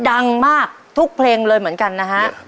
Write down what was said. ดังมากทุกเพลงเลยเหมือนกันนะฮะ